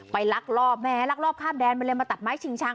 ลักลอบแม้ลักลอบข้ามแดนไปเลยมาตัดไม้ชิงชัง